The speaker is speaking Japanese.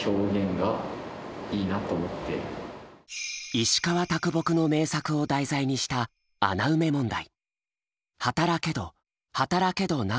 石川啄木の名作を題材にした穴埋め問題。